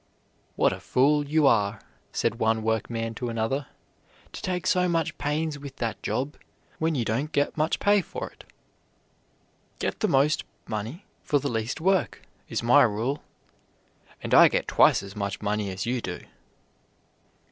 "What a fool you are," said one workman to another, "to take so much pains with that job, when you don't get much pay for it. 'Get the most money for the least work,' is my rule, and I get twice as much money as you do."